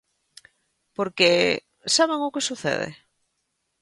Porque ¿saben o que sucede?